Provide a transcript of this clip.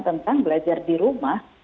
tentang belajar di rumah